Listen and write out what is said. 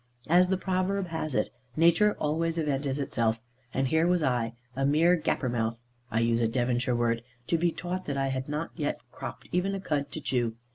As the proverb has it, nature always avenges herself; and here was I, a mere "gappermouth" (I use a Devonshire word), to be taught that I had not yet cropped even a cud to chew.